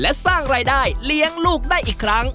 และสร้างรายได้เลี้ยงลูกได้อีกครั้ง